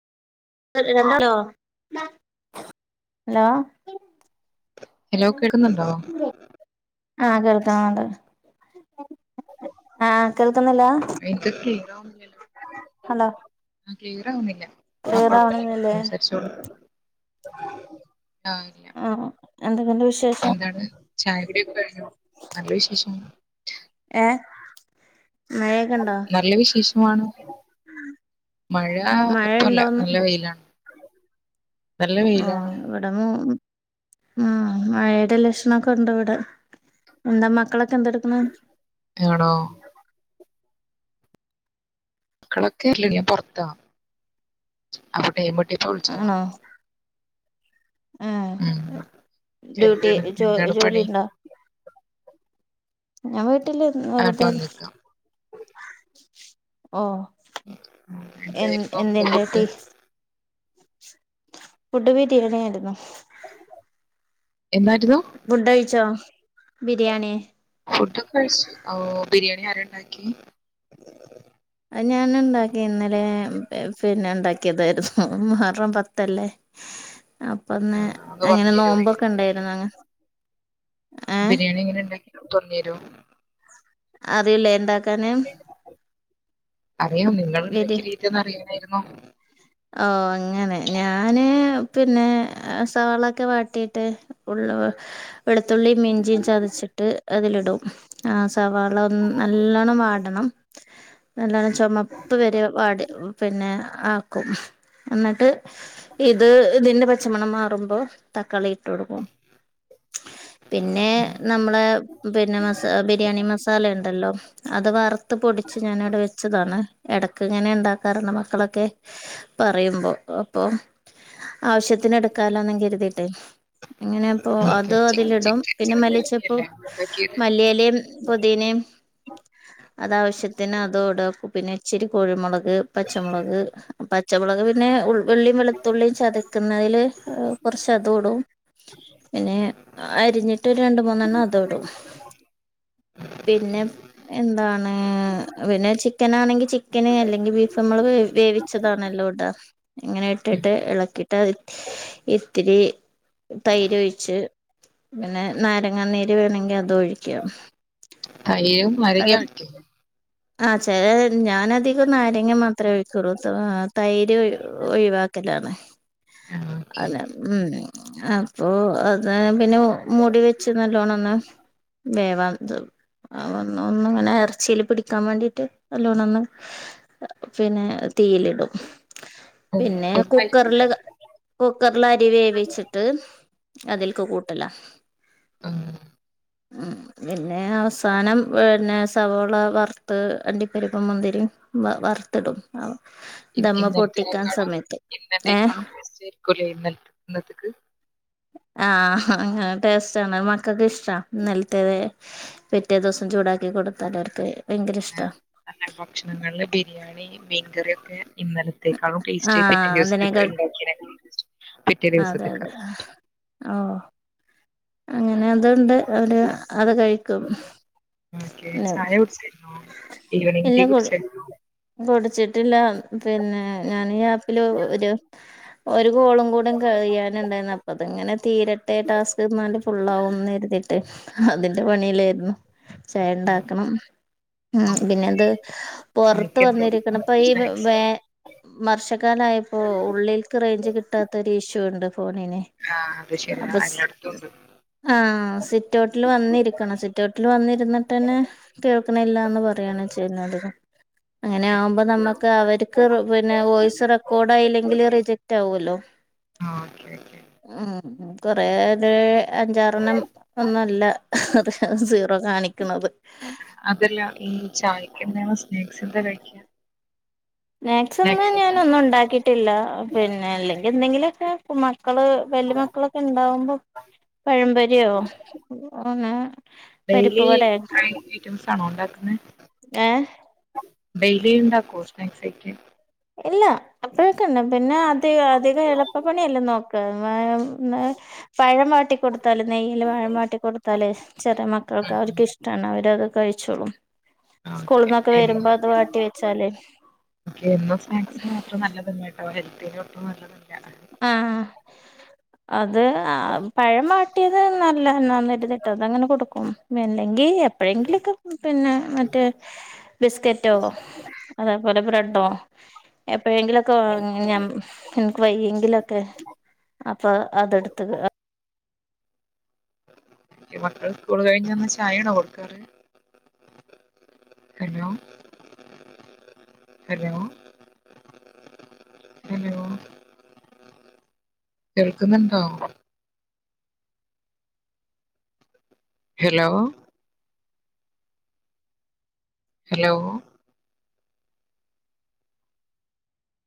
hello [unintelligible] [unintelligible] hello കേൾക്കുന്നുണ്ടോ ആഹ കേൾക്കുന്നുണ്ട് ആഹ കേൾക്കുന്നില്ലാ എനിക്ക് ക്ലിയർ ഹലോ ക്ലിയറാവുന്നില്ല ആ കൊഴപ്പില്ല ക്ലിയറാവണന്നില്ലേ സംസാരിച്ചോളൂ ആഹല്ല എന്തെക്കെണ്ട് വിശേ എന്താണ് ചായ കുടിയൊക്കെ കഴിഞ്ഞോ നല്ല വിശേഷ ഏഹ് മഴയൊക്കെണ്ടോ നല്ല വിശേഷമാണ് മഴ മഴ ഇപ്പല്ല ഇണ്ടോന്ന് നല്ല വെയിലാണ് നല്ല ആഹ വെയിലാണ് ഇവിടെ ഉ മഴയുടെ ലക്ഷണംമൊക്കെ ഉണ്ട് ഇവിടെ എന്താ മക്കളൊക്കെ ളൊക്കെ എന്തെടുക്കണ് ആണോ മക്കളൊക്കെ ഇല്ല ടീ ഞാൻ പുറത്താ അവിടെ ഡ്യൂട്ടിന്ന് വിളിച്ചതാ ആണോ ഉം ഡ്യൂട്ടി എന്താണ് ജോ എന്താണ് ജോലി പണി ഉണ്ടോ ഞാൻ വീട്ടില് വെറുത ആട്ടോ നിക്കാം ഓ എ എന്തായിരുന്നു ഇന്ന് എന്തിന്റാ food D [unintelligible] [inaudible] food വീട്ടീന്നന്നെയായിരുന്നു [unintelligible] ഫുണ്ടഴിച്ചോ biryani food ഒക്കെ കഴിച്ചു ഓ ബിരിയാണി ആരുണ്ടാക്കി ഞാനെന്താക്കി ന്നലെ പിന്നെ ണ്ടാക്ക്യേത് മുഹറം പത്തല്ലേ ആ, അപ്പന്ന് ഒന്ന് അങ്ങനെ പറഞ്ഞു തരുമോ എങ്ങനെ നോമ്പൊക്കെ ഉണ്ടാക്കി ണ്ടേര്ന്ന് അങ് ഏ അ പ്പർഞ്ഞെരോ അറിയില്ലേ ണ്ടാക്കാന് അറിയും നിങ്ങൾ ണ്ടാക്ക്യ രീതിഒന്ന് അറിയാനായിരുന്നു ഓ അങ്ങനെ ഞാന് പിന്നെ സവാളൊക്കെ വാട്ടീട്ട് ഉള്ള ള്ളൊ വെളുത്തുള്ളീം ഇഞ്ചി ചതച്ചിട്ട് അതിലിടും അ സവാള ഒന്ന് നല്ലോണം വാട്ടണം നല്ല ചൊമപ്പ് വെരെ വാടി പിന്നെ ആക്കും ന്ന്ട്ട് ഇത് ഇതിന്റെ പച്ചമണം മാറുമ്പോ തക്കാളി ഇട്ട് കൊടുക്കും പിന്നെ നമ്മളെ പിന്നെ മസ ബിരിയാണി മസാല ണ്ടല്ലോ അത് വർത്ത് പൊടിച്ച് ഞാൻ വടെ വെച്ചതാണ് എടക്ക് ഇങ്ങനെ ണ്ടാക്കാർണ്ട് മക്കളൊക്കെ പറയുമ്പോ അപ്പൊ ആവശ്യത്തിന് എടുക്കാലോന്നും കെരുതിട്ടെ അങ്ങനെപ്പൊ ഓക്കെ അത് ചിക്കൻ അതിലിടും ചിക്കൻ പിന്നെ ചിക്കൻ മല്ലിച്ചപ്പും ബിരിയാണിയല്ലേ മല്ലിയെലേം പൊതിനേം ആ അതാവശ്യത്തിന് അതുടും പിന്നെ ഇച്ചിരി കുരുമൊളക് പച്ചമൊളക് പച്ചമൊളക് പിന്നെ ഉള്ളീം വെളുത്തുള്ളീം ചത ക്ക്ന്നേല് കൊർച്ചതും ഇടും പിന്നെ അരിഞ്ഞി ട്ട് രണ്ട് മൂന്നെണ്ണം അത്ടും പിന്നെ എന്താണ് പിന്നെ ചിക്കനാണെങ്കി ചിക്കന് അല്ലെങ്കിൽ ബീഫ് നമ്മള് വേവി ച്ചതാണല്ലോ ഇടാ ങ്ങനെ ഇട്ടിട്ട് എളക്കിട്ട് അത് ഇത്തിരി തൈരൊയ്ച്ച് പിന്നെ നാരങ്ങാനീര് വേണെങ്കി അതൊഴ്ക്കാ [unintelligible] ആ ചെലേത് ഞാൻ അധികം നാരങ്ങ മാത്രേ ഒഴിക്കൂള്ളു [unintelligible] തൈര് ഒഴിവാക്കലാണ് ആ ഓക്കെ അത ഉം അപ്പൊ അതാ ഞാൻ പിന്നെ മുടി വെച്ച് നല്ലോണം ഒന്ന് വേവാത്ത് ആ ഒന്ന് ഒന്ന് ഇങ്ങനെ ഇറച്ചിയില് പിടിക്കാൻ വേണ്ടിട്ട് നല്ലോണം ഒന്ന് പിന്നെ തീയിലിടും പിന്നെ ദമ്മായിരിക്കില്ലേ കുക്കറിലത് കുക്കറിലരി വേവിച്ചിട്ട് അതിൽക്ക് കൂട്ടല ഉം പിന്നെ അവസാനം പിന്നെ സവോള വറുത്ത് അണ്ടിപ്പരിപ്പും മുന്തിരിയും വ വറത്തിടും ഇ ഇന്നലതേനെക്കാളും സമയത്ത് ഏഹ് ഇന്നലത്തേക്കാളും ടേസ്റ്റ് ആരിക്കൂല്ലേ ഇന്നലെ ഇന്നത്തെക്ക് ആ അങ്ങ ടേസ്റ്റാണ് മക്കൾക്കിഷ്ട്ടാ ഇന്നലത്തേതെ പിറ്റേ ദിവസം ചൂടാക്കി കൊടുത്താലവർക്ക് വേറെ ആ [unintelligible] ഭക്ഷണങ്ങളില് ബിരിയാണി മീൻകറിയൊക്കെ ഇന്നലത്തേക്കാളും ടേസ്റ്റ് പിറ്റേ ആഹ് ദിവസത്തേക്കാ അതിനേക്കാൾ ഇണ്ടാക്കിയേനെ കാളും ടെസ്റ്റ്‌ പിറ്റേ ദിവസത്തേക്കാ ആവോ അങ്ങനെ അതുകൊണ്ട് അവര് അത് കഴിക്കും ഓക്കെ പിന്നെ ചായ കുടിച്ചായിരുന്നോ ഈവനിങ് ഇല്ല ടീ കൊട് കുടിച്ചാരുന്നോ കുടിച്ചിട്ടില്ല പിന്നെ ഞാൻ ഈ ഗ്യാപ്പില് ഒരു കൊളും കൂടെ കഴിയാനുണ്ടായിരുന്നു അപ്പ അതങ്ങനെ തീരട്ടെ ടാസ്ക് എന്നാല് ഫുള്ള് ആവും എന്ന് കരുതി ട്ട് അതിന്റെ പണിയിലാരുന്നു ചായ ഉണ്ടാക്കണം ഉം ഓ, പിന്നെ അത് പൊറ ത്ത് ചായക്ക് വന്നിരിക്കണം എന്തായിരിക്കും ഇപ്പൊ ഈ സ്നാക്സ് വെ വർഷക്കാലായപ്പോ ഉള്ളിൽക്ക് റേഞ്ച് കിട്ടാത്ത ഒരു ഇഷ്യു ഫോണിനെ ആ അത് ശരിയാ അപ്പൊ സ് എല്ലായിടത്തും ഉണ്ട് ആ സിറ്റോട്ടിൽ വന്നിരിക്കണം സിറ്റോട്ട വ വന്നിരുന്നിട്ട് തന്നെ കേൾക്കണില്ലന്ന് പറയാണ് ചെയ അങ്ങനെ ഓക്കെ ആകുമ്പോ നമ്മുക്ക് അവർക്ക് പിന്നെ വോയിസ് റെക്കോർഡ് ല്ലെങ്കിൽ റിജക്റ്റ് ആവല്ലോ ആ ഓക്കെ ഉ കൊറേ അഞ്ചാറെണ്ണം ഒന്നല്ല അത സീറോ കാണിക്കണത് അതല്ല ഈ ചായക്ക് എന്തണോ സ്നാക്സ് എന്താണ് കഴിക്ക മാക്സിമം ഞാൻഒന്നും ഉണ്ടാക്കിട്ടില്ല പിന്നെ അല്ലെങ്കിൽ എന്തെങ്കിലുമൊക്കെ മക്കള് വല്യ മക്കളൊക്കെ ഇണ്ടാവുമ്പോ പഴമ്പോരിയോ ഒന്ന് ഡെയിലി ഐറ്റംസ് ആണോ ഒണ്ടാക്കുന്നേ ഏഹ് [unintelligible] ഡെയിലി ഇണ്ടാക്കോ സ്നാക്സൊക്കെ ഇല്ല അപ്പഴൊക്കെഇണ്ടാക്കും പിന്നെ അധിക അധികം എളുപ്പപ്പണിയെല്ലും നോക്ക പഴം വാട്ടി കൊടുത്താല് നെയ്യില് പഴം വാട്ടി കൊടുത്താല് ചെറിയ മക്കൾക്ക് അവർക്ക് ഇഷ്ട കാരണം അവരത് കഴിച്ചോളും ആ, ഓക്കെ സ്കൂളിന്നൊക്കെ വരുമ്പോ അത് എന്നും വാട്ടി വെച്ചാല് ഓക്കെ എന്നും സ്നാക്സ് അത്ര നല്ലതല്ല ട്ടോ ഹെൽത്തിന് ഒട്ടും നല്ലതല്ല ആ ആ അ അത് ആ പഴം വാട്ടിയത് നല്ല എന്നന്നരുതിട്ടത് അങ്ങനെ കൊടുക്കും മെല്ലെ ഗി എപ്പോഴെങ്കിലുമോക്കെ പിന്നെ മറ്റേ ബിസ്കറ്റോ അതേപോലെ ബ്രെഡോ എപ്പഴെങ്കിലുമോക്കെ ഞാ എനിക്ക് വയ്യേ അപ്പൊ അതെടുത്ത് മക്കൾ സ്കൂളു കഴിഞ്ഞ് വന്നാ ചായാണോ കൊടുക്കാറ് [unintelligible] ഹലോ ഹലോ ഹലോ കേൾക്കുന്നുണ്ടോ ഹലോ ഹലോ